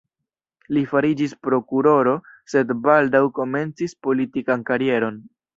Li fariĝis prokuroro, sed baldaŭ komencis politikan karieron.